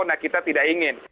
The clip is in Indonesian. nah kita tidak ingin